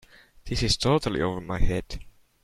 This is totally over my head.